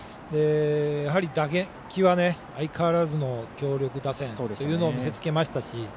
やはり打撃は相変わらずの強力打線というのを見せ付けましたし。